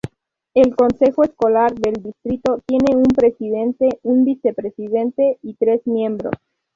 El consejo escolar del distrito tiene un presidente, un vicepresidente, y tres miembros.